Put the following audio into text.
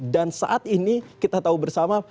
dan saat ini kita tahu bersama